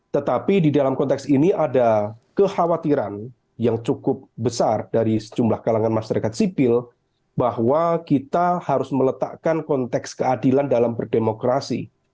tetapi di dalam konteks ini ada kekhawatiran yang cukup besar dari sejumlah kalangan masyarakat sipil bahwa kita harus meletakkan konteks keadilan dalam berdemokrasi